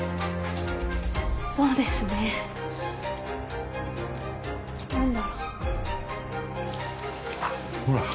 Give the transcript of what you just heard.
そうですね何だろうほら